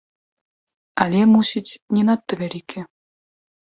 Але, мусіць, не надта вялікія.